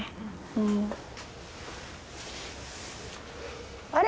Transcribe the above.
うん。あれ！